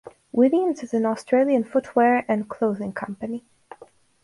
Williams is an Australian footwear and clothing company.